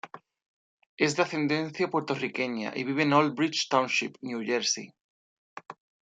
Es de ascendencia puertorriqueña y vive en Old Bridge Township, New Jersey.